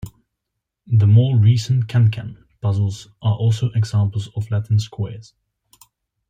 The more recent KenKen puzzles are also examples of Latin squares.